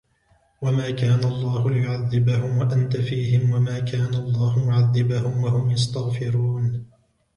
وما كان الله ليعذبهم وأنت فيهم وما كان الله معذبهم وهم يستغفرون